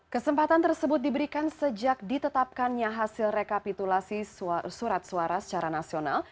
kesempatan tersebut diberikan sejak ditetapkannya hasil rekapitulasi surat suara secara nasional